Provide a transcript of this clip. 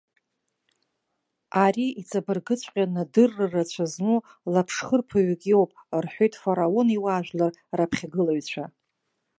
Ари иҵабыргыҵәҟьаны адырра рацәа змоу лаԥшхырԥаҩык иоуп:- рҳәеит Фараон иуаажәлар раԥхьагылаҩцәа.